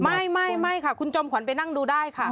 ไม่ค่ะคุณจอมขวัญไปนั่งดูได้ค่ะ